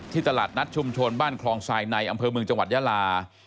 ตลาดนัดชุมชนบ้านคลองทรายในอำเภอเมืองจังหวัดยาลา